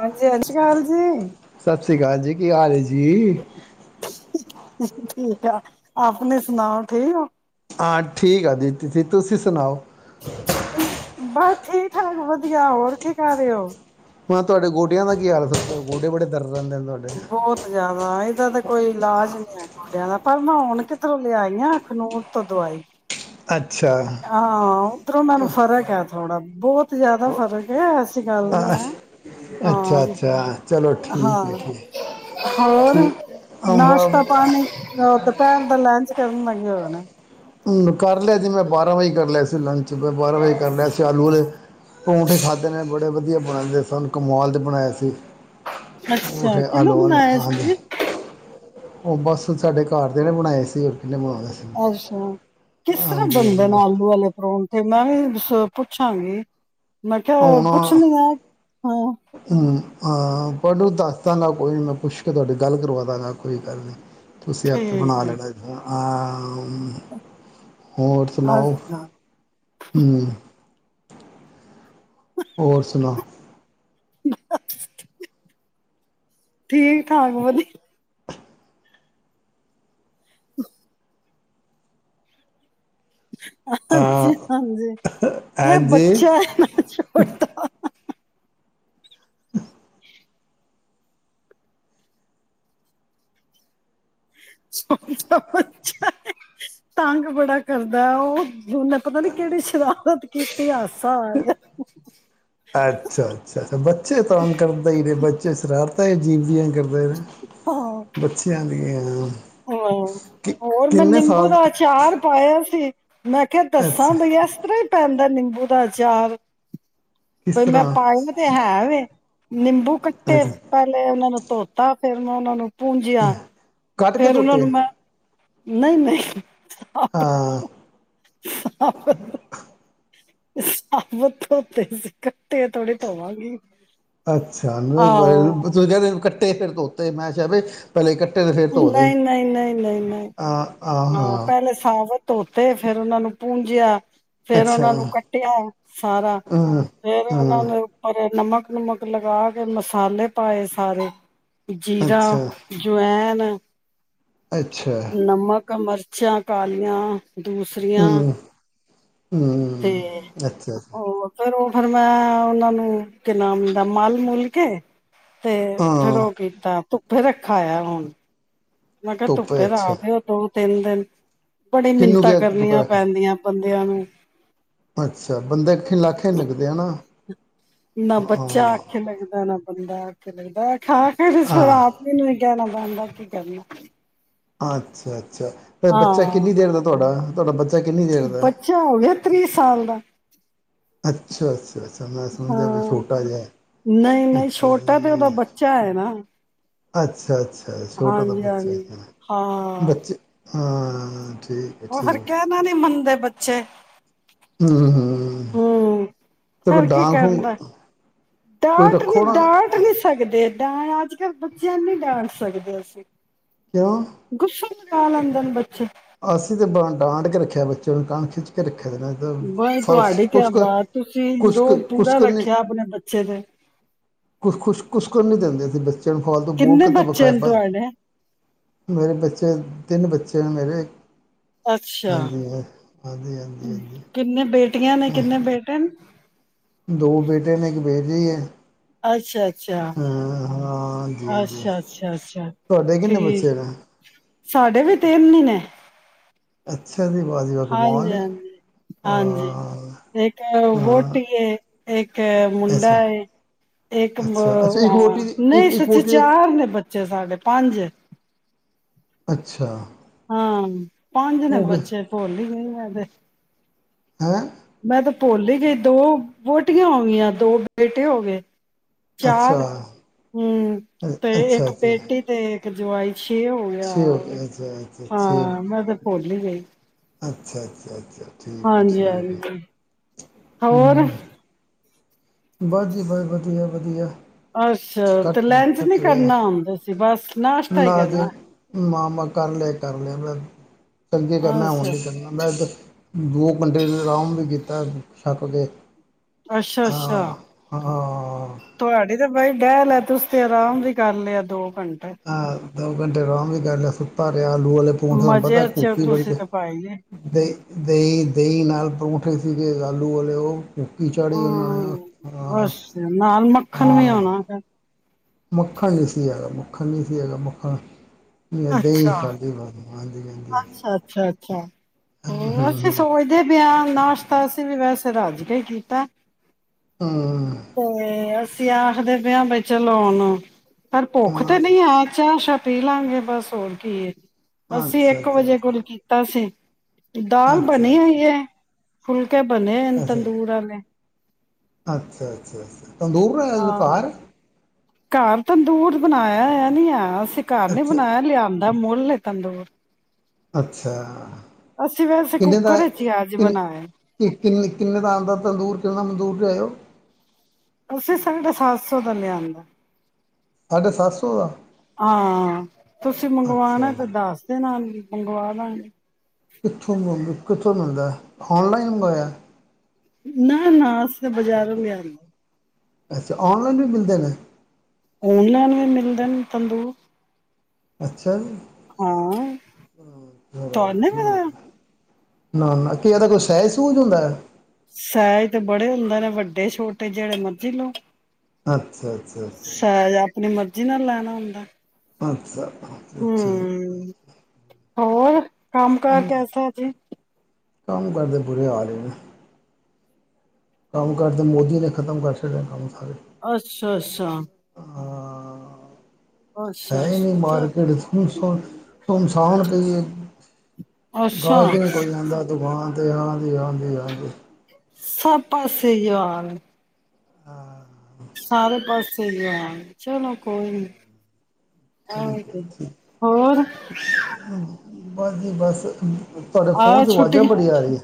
ਹਾਂਜੀ ਸਤਿ ਸ਼੍ਰੀ ਅਕਾਲ ਜੀ ਸਤਿ ਸ਼੍ਰੀ ਅਕਾਲ ਜੀ ਕੀ ਹਾਲ ਐ ਜੀ? ਠੀਕ ਆ, ਆਪਣੇ ਸੁਣਾਓ ਠੀਕ ਔ? ਹਾਂ, ਠੀਕ ਆ ਜੀ ਤੁਸੀਂ ਸੁਣਾਓ? [unintelligible] ਬ ਠੀਕ ਠਾਕ, ਵਧੀਆ ਹੋਰ ਕੀ ਕਰ ਰਹੇਓ। ਮੈਂ ਤੁਆਡੇ ਗੋਡਿਆਂ ਦਾ ਕੀ ਹਾਲ ਫਿਰ [unintelligible] ਗੋਡੇ ਬੜੇ ਦਰ ਬਹੁਤ ਜਿਆਦਾ ਇਦਾ ਤਾਂ ਕੋਈ ਇਲਾਜ ਨਈਂ ਹੈਗਾ। ਕਰਨਾ ਹੁਣ ਕਿੱਧਰੋਂ ਲਿਆਈਆਂ ਖਨੂਰ ਤੋਂ ਦਵਾਈ। ਅੱਛਾ ਹਾਂ ਉਤਰਰੋਂ ਮੈ ਨੂੰ ਫ਼ਰਕ ਆ ਥੋੜਾ। ਬਹੁਤ ਜਿਆਦਾ ਫਰਕ ਐ। ਅੀ ਗੱਲ ਅ- ਨੀਆ, ਹਾਂ ਅੱਛਾ ਅੱਛਾ ਚਲੋ ਠੀਕ ਹੈ ਹਾਂ ਠੀਕ ਹੋਰ। ਠੀਕ ਅਮ, ਬ- ਨਾਸ਼ਤਾ-ਪਾਣੀ, ਦੁਪਹਿਰ ਦਾ ਲੰਚ। ਪੇਲੇ ਵਰਗੀ ਹੋ ਜਾਣਾ ਹਂ ਕਰ ਲਿਆ ਸੀ, ਮੈਂ ਬਾਰਾਂ ਵਜੇ ਕਰ ਲਿਆ ਸੀ। ਲੰ ਅ ਬਾਹਾਂ ਵਜ ਕਰ ਲਿਆ ਸੀ ਆਲੂ ਵਾਲੇ ਪਰੌਂਠੇ ਖਾਧੇ ਨੇ ਬੜੇ ਬੜੇ ਵਧੀਆ ਬਣਾਉਂਦੇ ਸਨ ਕਮਾਲ ਦੇ ਬਣਾਏ ਸੀ। ਅੱਛਾ ਪਰੌਂਠੇ ਕਿਹਨੇ ਆਲੂ ਵਾਲੇ ਬਣਾਏ ਹਾਂਜੀ ਸਨੀ। ਉਹ ਬਸ ਸਾਡੇ ਘਰ ਦੇ ਨੇ ਬਣਾਏ ਸੀ। ਇ ਅੱਛਾ ਕਿਸ ਤਰ੍ਹਾਂ ਹਾਂਜੀ ਬਣਦੇ ਨਾ ਹਾਂਜੀ ਆਲੂ ਵਾਲੇ ਪਰੌਂਠੇ ਮੈਂ ਵੀਂ ਕੁ ਪੁੱਛਾਂਗੀ। ਮੈਂ ਕਿਹਾ ਹੁਣ ਪੁੱਛਣੀ ਆ ਹਾਂ। ਮੈਨੂੰ ਦੱਸ ਦਾਂਗਾ ਕੋਈ ਨੀਂ ਮੈਂ ਪੁਸ਼ ਕ ਤੇ ਤੁਹਾਡੇ ਗੱਲ ਕਰਵਾਦਾਗਾਂ ਕੋਈ ਗੱਲ ਨਈਂ। ਤੁਸੀ ਆਪੇ ਬਣਾ ਠੀਕ ਹੈ, ਲੈਵੁਗੇ। ਹਾਂ। ਹੋਰ, ਸੁਣਾਓ? ਅੱਛਾ। ਹ ਹੋਰ ਸੁਣਾ? ਠੀਕ- ਠਾਕ ਵਧੀ ਹ ਹਾਂਜੀ, ਅਹ, ਹਾਂਜੀ ਇਹ ਹਾਂਜੀ ਬੱਚਾ ਏ ਨਾ, ਛੋਟਾ। ਹ ਛੋਟਾ ਬੱਚਾ ਏ, ਤੰਗ ਬੜਾ ਕਰਦਾ ਏ, ਉਹ। ਉਹਨੇ ਪਤਾ ਨੀ, ਕਿਹੜੀ ਸ਼ਰਾਰਤ। ਕੀਥੇ ਹਾ ਅੱਛਾ-ਅੱਛਾ, ਅੱਾ ਬੱਚੇ ਤਾਂਗ ਕਰਦੇ ਹੀ ਨੇ, ਬੱਚੇ ਸ਼ਰਾਰਤ ਜੀਂਦੀ ਆਂ ਕ ਹਾਂ, ਦੀਆਂ ਹਾਂ, ਕਿ ਹੋਰ ਮੈਂ, ਕਿੰਨੇ ਨਿੰਬੂ ਸਾਲ ਦਾ ਅਚਾਰ ਪਾਇਆ ਸੀ। ਮੈਂ ਕਿਹਾ, ਦੱਸਾਂ ਅੱਛਾ ਬਈ ਏਸ ਤਰ੍ਹਾਂ ਹੀ ਪੈਂਦਾ ਨਿੰ ਬੂ ਦਾ ਅਚਾਰ ਕਿਸ ਬਈ ਮੈਂ ਤਰ੍ਹਾਂ ਪਾਏ ਤੇ, ਹੈ, ਵੇ ਨਿੰਬੂ ਕੱਟੇ, ਅੱਛਾ ਪਹਿਲੇ ਉਹਨਾ ਨੂੰ ਧੋ ਫੇਰ, ਮੈਂ ਉਹਨਾਂ ਨੂੰ ਪੂੰਜਿਆ ਕੱਟ ਕੇ, ਫੇਰ ਉਹਨਾਂ ਧੋਤੇ। ਨੂੰ ਮੈਂ ਨਹੀਂ, ਨਹੀਂ ਹਾਂ ਆਪ-ਆਪ। ਧੋਤੇ ਸੀ, ਕੱਟੇ ਥੋੜੇ ਧੋਵਾਂਗੀ। ਅੱਛਾ। ਆਹੋ ਦੂਜੇ ਨੇ ਫਿਰ ਧੋਤੇ, ਮੈਚਰ ਵੇਚ ਪਹਿਲੇ ਇਕੱੇ ਨਹੀਂ, ਨਹੀਂ, ਨਹੀਂ, ਨਹੀਂ, ਨਹੀਂ। ਹਾਂ, ਪਹਿਲੇ ਸਾਬਤ ਧੋ ਤੇ ਫੇਰ, ਉਹਨਾ ਨੂੰ ਪੂੰਜਿਆ। ਫੇਰ ਅੱਛਾ ਉਹਨਾਂ ਨੂੰ ਕੱਟਿਆ, ਸਾਰਾ ਹਾਂ ਫੇਰ, ਉਹਨਾਂ ਦੇ ਹਾਂ ਉੱਪਰ ਨਮਕ, ਨੁਮਕ ਲਗਾ ਕੇ, ਮਸਾਲੇ ਪਾਏ ਸਾਰੇ। ਜੀਰਾ, ਅੱਛਾ ਜਵੈਨ। ਨਾ ਅੱਛਾ। ਕ, ਮਰਚਾਂ ਕਾਲੀਆਂ। ਦੂਸਰੀਆਂ ਹੂੰ ਹੂੰ ਤੇ, ਅੱਛਾ ਅੱਛਾ ਹੋਰ ਫੇਰ ਉਹ ਫਿਰ ਮੈਂ ਉਹਨਾਂ ਨੂੰ ਕੀ ਨਾਮ ਦਾ ਮਲ ਮੂਲ ਕੇ ਤੇ ਫੇਰ ਹਾਂ ਉਹ ਕੀਤਾ ਫਿਰ ਰੱਖਾ ਆ ਹੁਣ ਮੈਂ ਕਿਹਾ ਧੁੱਪ ਹੈ ਧੁੱਪੇ ਅੱਛਾ ਰੱਖਦੇ ਤੋਂ ਤਿੰਨ ਦਿਨ ਬੜੀ ਕਿਹਨੂੰ ਮਿੰਨਤਾਂ ਗਿਆ ਕਰਨੀਆਂ ਪੈਂਦੀਆਂ ਬੱਚਿਆਂ ਨੂੰ [unintelligible] ਅੱਛਾ ਬੰਦਾ ਖਿਲਾਖੇ ਲੱਗਦੇ ਆ ਨਾ ਨਾ ਬੱਚਾ ਆਖੇ ਲੱਗਦਾ ਨਾ ਬੰਦਾ ਆਖੇ ਲੱਗਦਾ ਖਾ ਕੇ ਤੇ ਹਾਂ ੜਾ ਆਪਣੇ ਨੂੰ ਕਹਿਣਾ [unintelligible] ਬਣਦਾ ਕੀ ਕਰਨਾ [unintelligible] ਅੱਛਾ ਆ ਬੱਚਾ ਹਾਂ ਕਿੰਨੀ ਦੇਰ ਦਾ ਤੁਹਾਡਾ ਤੁਹਾਡਾ ਬੱਚਾ ਕਿੰਨੀ ਦੇਰ ਦਾ ਬੱਚਾ ਹੋ ਗਿਆ ਤੀਹ ਸਾਲ ਦਾ ਅੱਛਾ ਅੱਛਾ ਅੱਛਾ ਮੈਂ ਸਮਝਿਆ ਵੀ ਹਾਂ ਛੋਟਾ ਜਿਹਾ ਨਹੀਂ ਨਹੀਂ ਛੋਟਾ ਤੇ ਉਹਦਾ ਬੱਚਾ ਹੈ ਨਾ ਅੱਛਾ ਅੱਛਾ ਹਾਂਜੀ, ਹਾਂਜੀ ਹਾਂ ਹਾਂ ਓ ਫਿਰ ਕਹਿਣਾ ਨੀ ਮੰਨਦੇ ਬੱਚੇ ਹੁੰ ਤੇ ਫਿਰ ਕੋਈ ਕੀ ਡਾਂਗ ਡੂੰਗ ਕਰਨਾ ਕੋਈ ਡਾਂਟ ਰੱਖੋ ਨਹੀ ਨਾ ਡਾਂਟ ਨਹੀ ਸਕਦੇ ਅੱਜ ਕੱਲ੍ਹ ਬੱਚਿਆਂ ਨੂੰ ਨਹੀਂ ਡਾਂਟ ਸਕਦੇ ਅਸੀਂ ਕਿਉਂ ਗੁੱਸਾ ਲਾ ਲੈਦੇਂ ਨੇ ਬੱਚੇ ਅਸੀਂ ਤੇ ਡਾਂਟ ਕੇ ਰੱਖਿਆ ਬੱਚੇ ਨੂੰ ਕਣ ਖਿੱਚ ਕੇ ਰੱਖਿਆ ਨਾ ਤਾਂ ਬਾਈ ਫਰਸ ਤੁਹਾਡੀ ਕਿਆ ਕੁਛ ਕੁ ਬਾਤ ਤੁਸੀਂ ਕੁਛ ਕੁ ਰੋਂਬ ਕੁਛ ਪੂਰਾ ਕੁ ਨਹੀਂ ਰੱਖਿਆ ਆਪਣੇ ਬੱਚੇ ਤੇ ਬੱਸ [unintelligible] ਚਨਫਾਲ ਤੋਂ ਬੋ ਕਿੰਨੇ ਕਿ ਅਤੇ ਬੱਚੇ ਨੇ ਬਖਾਇਬਾ ਤੁਹਾਡੇ [unintelligible] ਮੇਰੇ ਬੱਚੇ ਤਿੰਨ ਬੱਚੇ ਨੇ ਮੇਰੇ ਅੱਛਾ ਹਾਂਜੀ ਹਾਂ- ਹਾਂਜੀ ਹਾਂਜੀ ਹਾਂਜੀ ਕਿੰਨੇ ਬੇਟੇ ਕਿੰਨੀਆ ਬੇਟੀਆਂ ਨੇ ਕਿੰਨੇ ਬੇਟੇ ਨੇ ਦੋ ਬੇਟੇ ਨੇ ਇੱਕ ਬੇਟੀ ਹੈ ਹੁੰ ਅੱਛਾ, ਅੱਛਾ, ਹਾਂਜੀ ਹਾਂਜੀ ਅੱਛਾ, ਅੱਛਾ, ਅੱਛਾ ਤੁਹਾਡੇ ਕਿੰਨੇ ਠੀਕ ਬੱਚੇ ਨੇ ਸਾਡੇ ਵੀ ਤਿੰਨ ਨੀ ਨੇ। ਅੱਛ ਹਾਂਜੀ- ਹਾਂਜੀ-ਹਾਂਜੀ, ਹਾਂ ਇੱਕ ਹਾਂ ਵਹੁਟੀ, ਇੱਕ ਮੁੰਡਾ, ਅੱਛਾ ਇੱਕ ਅੱਛਾ ਅੱਛਾ ਇੱਕ ਵੋਟੀ ਦੀ ਨਹੀਂ ਇੱਕ ਇੱਕ ਸੱਚ ਵੋਟੀ ਦੇ ਚਾਰ ਨੇ ਬੱਚੇ ਸਾਡੇ, ਪੰਜ। ਅੱਛਾ। ਹਾਂ, ਪੰਜ ਨੇ ਉਹ ਬੱਚੇ, ਭੁੱਲੀ ਗਈ ਆ, ਤੇ। ਹੈਂ? ਮੈਂ, ਤਾਂ ਭੁੱਲ ਹੀ ਗਈ, ਦੋ ਵਹੁਟੀਆਂ ਹੋ ਗਈਆਂ, ਦੋ ਬੇਟੇ ਹੋ ਗਏ। ਅੱਛਾ ਚਾਰ, ਹਮ ਤੇ, ਅੱਛਾ ਅੱਛਾ ਇੱਕ ਬੇਟੀ ਤੇ, ਇੱਕ ਜਵਾਈ। ਛੇ, ਹੋ ਗਿਆ, ਛੇ ਹੋ ਗਏ ਅੱਛਾ ਅੱਛਾ ਛੇ ਹਾਂ ਮੈਂ ਤੇ ਭੁੱਲ ਹੀ ਗਈ। ਅੱਛਾ। ਅੱਛਾ। ਅੱਛਾ। ਠੀਕ ਹੈ ਹਾਂਜੀ, ਠੀਕ ਹੈ ਹਜੀ, ਹੋਰ। ਹੂੰ ਬਸ ਜੀ, ਬਸ ਵਧੀਆ- ਵਧੀਆ। ਅੱਛਾ। ਤੇ ਕੱਟ ਲੰਚ ਨੀ ਕੱਟ ਰਿਹਾ ਕਰਨਾ ਆਉਂਦਾ ਸੀ, ਬਸ। ਨਾਸ਼ਤਾ ਹੀ ਨਾ, ਜੇ, ਕਰਨਾ ਮਾਮ ਾਂ ਕਰ ਲਿਆ, ਕਰ ਲਿਆ ਮ ਚੰਗੇ ਕਿ, ਮੈਂ ਹੁਣ ਅੱਛਾ ਨਹੀਂ ਕਰਗਾ ਮੈਂ ਦੋ, ਘੰਟੇ ਆਰਾਮ ਵੀ ਕੀਤਾ, ਛੱਕ ਕੇ। ਅੱਛਾ-ਅੱਛਾ, ਆਹ ਹਾਂ ਤੁਹਾਡੀ ਤੇ ਬਾਈ, ਕਹਿ ਲੈ ਤੁਸੀ ਤੇ, ਆਰਾਮ ਵੀ ਕਰ ਲਿਆ, ਦੋ ਪੰ ਆਹ ਦੋ, ਘੰਟੇ ਅਰਾਮ ਵੀ ਕਰ ਲਿਆ, ਸੁੱਤਾ ਰਿਹਾ। ਉਡੂ ਵਾਲੇ ਪੌਂ ਤੁਹਾਨੂੰ ਮਜ਼ੇ ਪਤਾ ਚ ਹੋ ਕੁੂਫੀ ਬੜੀ ਤੁਸੀਂ ਹੈ, ਤਾਂ ਪਾਈ ਜੇ ਅਤੇ ਦਹੀਂ- ਦਹੀ ਨਾਲ, ਪਰੌਂਠੇ ਸੀਗੇ ਆਲੂ ਵਾਲੇ। ਉਹ- ਕੋੱਕੀ ਚਾੜ੍ਹੀ ਉਹਨਾਂ ਹਮ ਨੇ, ਹ, ਬਸ ਨਾਲ ਮੱਖਣ ਵੀ ਹਾਂ ਹੋਣਾ ਫਿਰ ਮੱਖੰਣੀ ਸੀ ਹੈਗਾ, ਮੱਖਣ। ਮੈਂ ਦਹੀਂ ਅੱਛਾ ਖਾਂਦੀ ਬ ਅੱਛਾ, ਅੱਛਾ, ਅੱਛਾ। ਹੂੰ ਹਮ, ਅਸੀਂ ਹੂੰ ਸੋਚਦੇ ਪਿਆਂ ਨਾਸ਼ਤਾ ਅਸੀਂ ਵੀ, ਵੈਸੇ ਰੱਜ ਕੇ ਹੀ ਕੀਤਾ। ਹੂੰ ਤੇ ਅ ਸੀ, ਆਖਦੇ ਪਿਆ ਬਈ ਚਲੋ, ਉਣ ਪਰ ਭੁੱਖ ਤੇ ਹਾਂ ਨਹੀਂ ਆ, ਚਾਹ ਸ਼ ਪੀ ਲਾਂਗੇ ਬਸ ਹੋਰ ਕੀ ਅਸੀਂ ਇੱਕ ਅੱਛਾ ਇੱਕ ਵਜੇ ਕੁਲ ਕੀਤਾ ਸੀ ਅੱਛਾ ਅੱਛਾ ਦਾਲ ਬਣੀ ਅੱਛਾ ਆਈ ਹੈ ਫੁਲ ਅੱਛਾ ਬਣੇਨ ਅੱਛਾ ਤੰਦੂਰ ਵਾਲੇ ਅੱਛਾ ਅੱਛਾ ਅੱਛਾ ਤੰਦੂਰ ਹੈ ਹਾਂ ਘਰ ਘਰ ਤੰਦੂਰ ਬਣਾਇਆ ਹੋਇਆ ਨਹੀ ਏ ਕਾਰ ਨੇ ਅੱਛਾ ਬਣਾਇਆ ਲਿਆਂਦਾ ਮੂੰਹ ਚੱਲੇ ਤੰਦੂੂਰ ਅੱਛਾ ਵੈਸੇ ਕਿੰਨੇ ਦਾ ਕੁੱਕਰ ਵਿੱਚ ਹੀ ਅੱਜ ਕਿਨ ਬਣਾਇਆ ਕਿੰਨੇ ਕਿੰਨੇ ਦਾ ਆਉਂਦਾ ਤੰਦੂਰ ਕਿੰਨੇਨਾ ਮੰਦੂਰ ਚ ਆਇਓ ਅਸੀਂ ਸਾਡਾ ਸਤ ਸੌ ਦਾ ਲਿਆਂਦਾ ਸਾਢੇ ਸੱਤ ਸੌ ਦਾ ਹਾਂ ਤੁਸੀਂ ਅੱਛਾ ਮੰਗਵਾਣਾ ਤੇ ਦੱਸ ਦੇ ਨਾਲ ਮੰਗਵਾ ਲਣ ਕਿੱਥੋਂ ਕਿੱਥੋਂ ਮਿਲਦਾ ਔਨਲਾਈਨ ਮੰਗਵਾਇਆ ਨਾ ਨਾ ਅਸੀ ਤਾਂ ਬਾਜ਼ਾਰੋਂ ਲਿਆ ਰ ਆ ਅੱਛਾ ਔਨਲਾਈਨ ਵੀ ਮਿਲਦੇ ਨੇ ਔਨਲਾਈਨ ਵੀ ਮਿਲਦੇ ਨੇ ਤੰਦੂ ਅੱਛਾ ਜੀ ਹਾਂ ਤ ਨ ਪਤਾ ਠੀਕ ਨਾ ਨਾ ਕੀ ਇਹਦਾ ਕੋਈ ਸਹਿਜ ਸੂਝ ਹੁੰਦਾ ਹੈ ਸਹਿਜ ਤੇ ਬੜੇ ਹੁੰਦੇ ਨੇ ਵੱਡੇ ਛੋਟੇ ਜਿਹੜੇ ਮਰਜੀ ਲਓ ਅੱਛਾ ਅੱਛਾ ਸ ਆਪਣੀ ਮਰਜੀ ਨਾਲ ਲੈਣਾ ਪਣਾ ਹੁੰਦਾ ਪੰਜ ਸ ਠੀਕ ਹੂੰ ਹੋਰ ਕੰਮ ਕਾਰ ਕੈਸਾ ਜੇ ਕੰਮ ਕਰਦੇ ਬੁਰੇ ਹਾਲ ਹੀ ਨੇ ਕੰਮ ਕਰਦੇ ਮੋਦੀ ਨੇ ਖ਼ਤਮ ਕਰ ਛਡਿਆ ਕੰਮ ਸਾਰੇ ਅੱਛਾ ਅੱਛਾ ਹਾਂ ਹੈ ਅੱਛਾ ਹੀ ਨਹੀਂ ਅੱਛਾ ਮਾਰਕੀਟਥ ਸੋ ਤ ਇਨਸਾਨ ਪ ਜ ਅੱਛਾ ਗਜਰੇ ਕੋਈ ਆਦਾ ਦੁਕਾਨ ਹਾਂ ਹਾਂਜੀ ਹਾਂਜੀ ਹਾਂਜੀ। ਸਭ ਪਾਸੇ ਹੀ ਆ ਹਾਲ। ਹਾਂ। ਸਾਰੇ ਪਾਸੇ ਸਹੀ ਆ ਚਲੋ ਕੋਈ ਨਹੀਂ। ਠੀਕ ਹੈ ਆਹ ਠੀਕ [unintelligible] ਹੋਰ। ਬਸ ਜੀ ਬਸ। ਤੁਹਾਡੇ ਆਓ ਫੋਨ ਚ ਆਵਾਜ਼ਾਂ ਛੁੱਟੀ ਬੜੀ ਆ ਰਹੀ ਆ।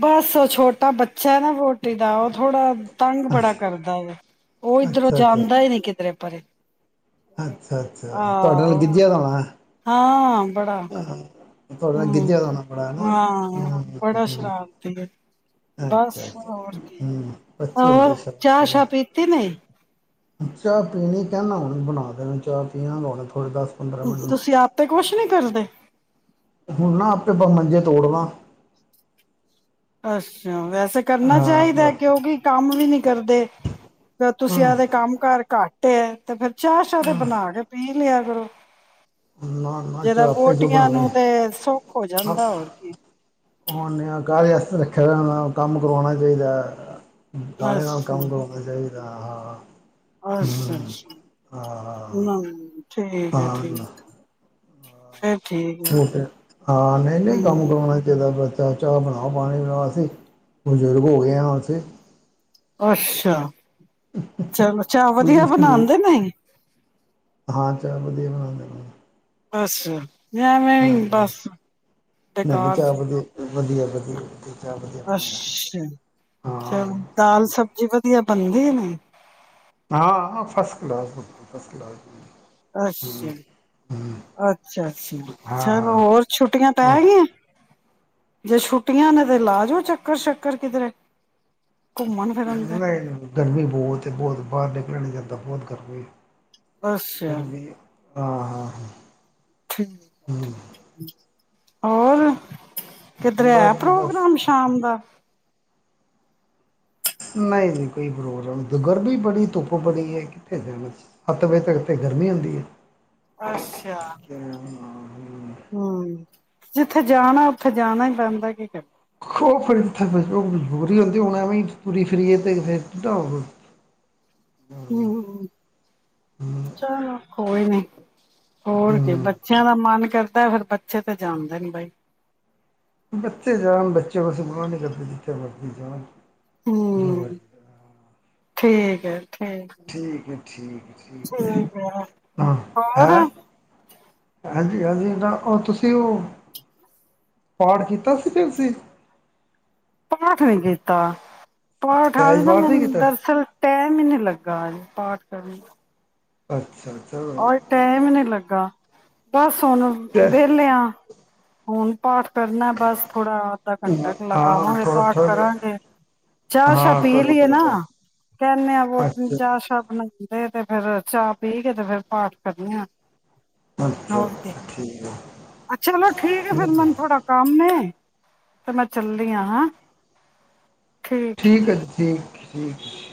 ਬਸ ਉਹ ਛੋਟਾ ਬੱਚਾ ਨਾ ਵਹੁਟੀ ਦਾ ਉਹ ਥੋੜਾ ਤੰਗ ਬੜਾ ਕਰਦਾ ਵਾ। ਉਹ ਇੱਧਰੋਂ ਅੱਛਾ ਜਾਂਦਾ ਹੀ ਨਹੀਂ ਕਿਧਰੇ ਪਰੇ। ਅੱਛਾ-ਅੱਛਾ ਤੁਹਾਡੇ ਨਾਲ ਆਹੋ ਗਿੱਝਿਆ ਦਾ ਹੋਣਾ ਐ। ਹਾਂ ਬੜਾ ਹੂੰ ਦਾ ਹੋਣਾ ਬੜਾ ਹੈ ਨਾ ਹਾਂ ਹੂੰ ਬੜਾ ਹੂੰ ਸ਼ਰਾਰਤੀ ਆ। ਬਸ ਅੱਛਾ ਅੱਛਾ ਹੋਰ ਕੀ ਹੂੰ ਬੱਚੇ ਹੋਰ ਹੁੰਦੇ ਸ਼ਾਇਦ ਚਾਹ ਸ਼ਾਹ ਪੀਤੀ ਨਹੀਂ। ਚਾਹ ਪੀਣੀ ਕਹਿੰਦਾ ਹੁਣੇ ਬਣਾ ਦੇਣ, ਚਾਹ ਪੀਆਂਗਾ। ਤੁਸੀਂ ਆਪ ਤੇ ਕੁਛ ਨਹੀਂ ਕਰਦੇ? ਹੁਣ ਨਾ ਆਪੇ ਬਸ ਮੰਜੇ ਤੋੜਦਾ। ਅੱਛਾ ਵੈਸੇ ਕਰਨਾ ਹਾਂ ਚਾਹੀਦਾ ਬਸ ਕਿਉਂਕਿ ਕੰਮ ਵੀ ਨਹੀਂ ਕਰਦੇ ਹਾਂ ਤੁਸੀਂ ਆਦੇ ਕੰਮ ਕਾਰ ਘੱਟ ਤੇ ਫਿਰ ਚਾਹ ਸ਼ਾਹ ਤੇ ਹਾਂ ਬਣਾ ਕੇ ਪੀ ਲਿਆ ਕਰੋ। ਨਾ ਨਾ ਜਿਹਦਾ ਚਾਹ ਆਪੇ ਕਿਉਂ ਵਹੁਟੀਆਂ ਬਣਾਉਣੇ ਨੂੰ ਤੇ ਸੁਖ ਹੋ ਜਾਂਦਾ ਹੋਰ ਕੀ। ਹੁਣ ਕਾਹਦੇ ਵਾਸਤੇ ਰੱਖਿਆ ਹੋਣਾ ਕੰਮ ਕਰਵਾਉਣਾ ਚਾਹੀਦਾ। [unintelligible] ਨਾਲ ਅੱਛਾ ਕੰਮ ਕਰਾਉਣਾ ਚਾਹੀਦਾ ਆ ਹਾਂ। ਅੱਛਾ ਹੂੰ ਅੱਛਾ ਹਾਂ ਨਾ। ਠੀਕ ਹੈ ਠੀਕ। ਫ ਹੋਰ ਫਿਰ ਹਾਂ ਨਹੀਂ ਨਹੀਂ ਕੰਮ ਹਮ ਕਰਾਉਣਾ ਚਾਹੀਦਾ ਬ ਚਾਹ ਚਾਹ ਬਣਾਓ ਪਾਣੀ ਬਣਾ ਅਸੀਂ ਬਜ਼ੁਰਗ ਹੋ ਗਏ ਆਂ ਉਥੇ। ਅੱਛਾ। ਚਲੋ ਚਾਹ ਵਧੀਆ ਬਜ਼ੁਰਗ ਵੀ ਬਣਾਉਦੇ ਨੇ? ਹਾਂ ਚਾਹ ਵਧੀਆ ਬਣਾਉਂਦੇ ਨੇ। ਅੱਛਾ। ਮੈਂ ਹਾਂ ਵੇਂਵੀ ਬਸ, ਬੇਕਾਰ ਚ ਵਧੀਆ-ਵਧੀਆ। ਅੱਛਾ ਹਾਂ ਚਲੋ ਦਾਲ ਸਬਜ਼ੀ ਬ ਕਿ ਗੱਲ ਬਣਦੀ ਨਹੀਂ? ਹਾਂ ਫਸਟ ਕਲਾਸ ਬਿਲਕੁਲ, ਫਸਟ ਕਲਾਸ ਬਈ। ਅੱਛਾ, ਅੱਛਾ-ਅੱਛਾ, ਹਾਂ ਚਲੋ ਹਾਂ ਹੋਰ ਛੁੱਟੀਆਂ ਹਾਂ ਪੈ ਗੀਆਂ? ਜੇ ਛੁੱਟੀਆਂ ਨੇ ਤੇ ਲਾਜਓ ਚੱਕਰ ਸ਼ੱਕਰ ਕਿਧਰੇ। ਘੁੰਮਣ ਫਿਰਨ ਤੇ ਨਹੀਂ, ਗਰਮੀ ਬਹੁਤ ਏ, ਬਹੁਤ ਬਾਹਰ ਨਿਕਲਿਆ ਨੀ ਜਾਂਦਾ। ਤਾਂ ਬਹੁਤ ਗਰਮੀ ਏ। ਅੱਛਾ। ਹਾਂ-ਹਾਂ-ਹਾਂ। ਠੀਕ-ਠੀਕ। ਹੋਰ? ਕਿਧਰੇ ਹੈ ਬਸ ਜੀ ਬਸ ਪ੍ਰੋਗਰਾਮ ਸ਼ਾਮ ਦਾ? ਨਹੀਂ ਜੀ, ਕੋਈ ਪ੍ਰੋਗਰਾਮ ਨਹੀਂ, ਦੁਗਰਮੀ ਬੜੀ, ਧੁੱਪ ਬਣੀ ਹੈ ਕਿੱਥੇ ਜਾਣਾ ਅਸੀਂ? ਸੱਤ ਵਜੇ ਤੱਕ ਤੇ ਗਰਮੀ ਹੁੰਦੀ ਹੈ। ਅੱਛਾ, ਹਮ। ਜਿੱਥੇ ਜਾਣਾ ਉੱਥੇ ਜਾਣਾ ਹੀ ਪੈਂਦਾ ਏ, ਕੀ ਕਰੀਏ? ਖੋ ਫਿਰ ਉੱਥੇ ਉਹ ਮਜ਼ਬੂਰੀ ਹੁੰਦੀ, ਹੁਣ ਐਵੇਂ ਹੀ ਤੂਰੀ ਫਿਰੀਏ ਤੇ ਫਿਰ ਕਿੱਦਾਂ ਹਮ, ਹੂੰ ਚਲੋ ਕੋਈ ਨੀ। [inaudible] ਹੋਰ ਕੇ, ਹੂੰ ਬੱਚਿਆਂ ਦਾ ਮਨ ਕਰਦਾ ਏ ਫਿਰ ਬੱਚੇ ਤੇ ਜਾਣਦੇ ਨੇ ਬਾਈ। ਬੱਚੇ ਜਾਣ ਬੱਚੇਆ ਨੂੰ ਅਸੀਂ ਮਨਾ ਨਹੀਂ ਕਰਦੇ, ਜਿੱਥੇ ਮਰਜੀ ਜਾਣ। ਜੋ ਹਮ, ਮਰਜ਼ੀ ਠੀਕ। ਹੈ। ਠੀਕ ਠੀਕ ਹੈ, ਠੀਕ-ਠੀਕ ਹੈ ਹਾਂ ਹੋਰ ਹੈਂ, ਹੈਂ? ਕੋਈ ਗੱਲ ਨੀ ਏਦਾਂ, ਉਹ ਤੁਸੀਂ ਉਹ ਪਾਠ ਕੀਤਾ ਸੀ ਫਿ ਤੁਸੀਂ? ਪਾਠ ਨੀ ਕੀਤਾ। ਪਾਠ ਸਹਿਜ ਆਸਤੇ ਪਾਠ ਨਹੀਂ ਮੈਨੂੰ ਕੀਤਾ ਦਰਅਸਲ ਟੈਮ ਹੀ ਨੀ ਲੱਗ ਗਏ ਪਾਠ ਕਰਨ ਅੱਛ ਔਰ ਟੈਮ ਹੀ ਨੀ ਲੱਗਾ। ਬੱਸ ਹੁਣ ਤੇ ਵੇਹਲੇ ਹਾਂ। ਹੁਣ ਪਾਠ ਕਰਨਾ ਬਸ ਥੋੜਾ ਅੱਧਾ ਘੰਟਾ ਹਾਂ ਲਗਾਵਾਂਗੇ ਥੋੜਾ ਪਾਠ ਥੋੜਾ ਕਰਾਂਗੇ ਚਾਹ ਸ਼ਾਹ ਹਾਂ ਪੀ ਕਰੋ ਲਈਏ ਕਰੋ ਨਾ ਕਰੋ ਕਹਿੰਨੇ ਆ ਵੌਹਟੀ ਨੂੰ ਅੱਛਾ ਚਾਹ ਸ਼ਾਹ ਬਣਾਈ ਤੇ ਫੇਰ ਚਾਹ ਪੀ ਕੇ ਤੇ ਫਿਰ ਪਾਠ ਕਰਨੀ ਆ ਅੱਛਾ ਹੋ ਅੱਛਾ ਠੀਕ ਅੱਛਾ ਚਲੋ ਠੀਕ ਹੈ ਫਿਰ ਮੈਨੂੰ ਥੋੜਾ ਕੰਮ ਏ ਤੇ ਮੈਂ ਚੱਲਦੀ ਆ ਹੈਂ ਠੀਕ ਹੈ ਜੀ ਠੀਕ [unintelligible]